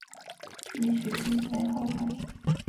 也许是因为后悔